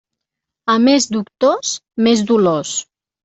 A més doctors, més dolors.